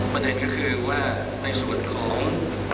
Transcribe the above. ประเด็นก็คือว่าในส่วนของ